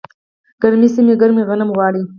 ګرمې سیمې ګرم غنم غواړي.